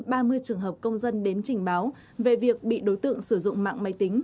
họ đã ghi nhận hơn ba mươi trường hợp công dân đến trịnh báo về việc bị đối tượng sử dụng mạng máy tính